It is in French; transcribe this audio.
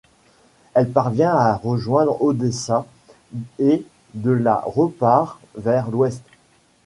Elle parvient à rejoindre Odessa et de là repart vers l'Ouest.